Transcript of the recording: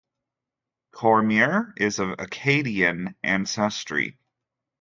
Cormier is of Acadian ancestry.